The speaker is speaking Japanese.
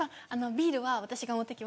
ビールは私が持ってきますんで。